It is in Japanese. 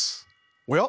おや？